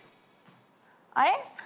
あれ？